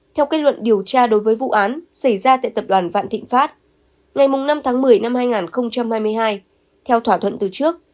theo kết luận điều tra đối với vụ án xảy ra tại tập đoàn vạn thịnh pháp ngày năm tháng một mươi năm hai nghìn hai mươi hai theo thỏa thuận từ trước